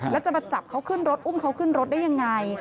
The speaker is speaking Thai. แล้วจะมาจับเขาขึ้นรถอุ้มเขาขึ้นรถได้ยังไง